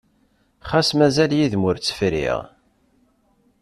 Xas mazal yid-m ur tt-friɣ.